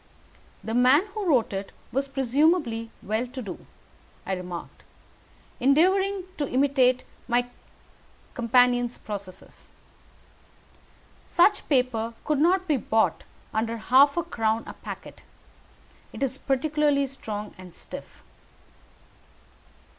"The man who wrote it was presumably well to do," I remarked, endeavouring to imitate my companion's processes. "Such paper could not be bought under half a crown a packet. It is peculiarly strong and stiff."